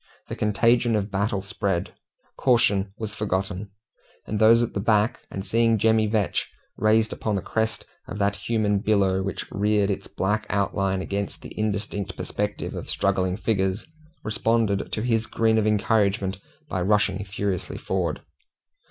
The contagion of battle spread. Caution was forgotten; and those at the back, seeing Jemmy Vetch raised upon the crest of that human billow which reared its black outline against an indistinct perspective of struggling figures, responded to his grin of encouragement by rushing furiously forward.